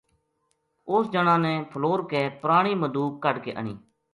اُس جنا نے پھلور کے پرانی مدوک کڈھ کے آنی